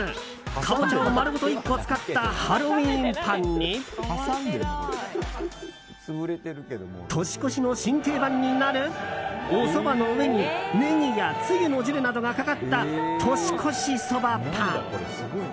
カボチャを丸ごと１個使ったハロウィーンパンに年越しの新定番になるおそばの上にネギやつゆのジュレなどがかかった年越しそばパン。